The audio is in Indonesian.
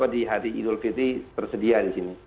di hari idul fitri tersedia disini